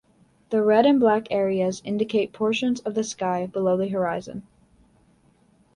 The red and black areas indicate portions of the sky below the horizon.